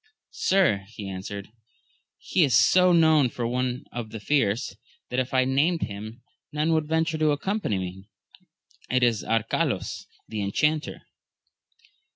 Sir, he answered, he is so known for one of the fierce, that if I had named him none would venture to accompany me, — it is Arcalaus, the Enchanter.